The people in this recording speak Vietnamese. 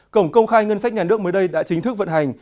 cổng công khai ngân sách nhà nước mới đây đã chính thức vận hành